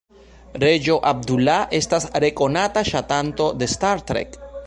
Reĝo Abdullah estas rekonata ŝatanto de "Star Trek".